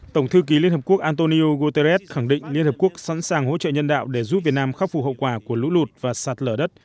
tổng thư ký liên hợp quốc antonio guterres khẳng định liên hợp quốc sẵn sàng hỗ trợ nhân đạo để giúp việt nam khắc phục hậu quả của lũ lụt và sạt lở đất